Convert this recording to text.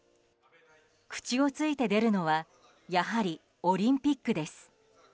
口をついて出るのはやはりオリンピックです。